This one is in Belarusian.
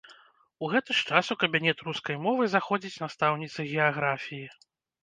У гэты ж час у кабінет рускай мовы заходзіць настаўніца геаграфіі.